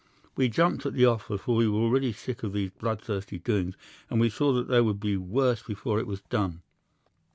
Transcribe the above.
We jumped at the offer, for we were already sick of these bloodthirsty doings, and we saw that there would be worse before it was done.